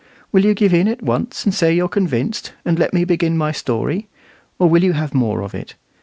Will you give in at once, and say you're convinced, and let me begin my story, or will you have more of it?